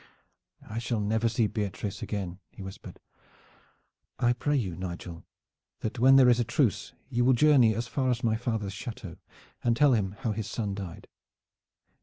"I shall never see Beatrice again," he whispered. "I pray you, Nigel, that when there is a truce you will journey as far as my father's chateau and tell him how his son died.